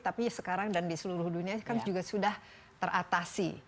tapi sekarang dan di seluruh dunia kan juga sudah teratasi